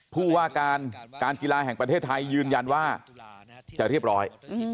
ผู้ว่าการการกีฬาแห่งประเทศไทยยืนยันว่าจะเรียบร้อย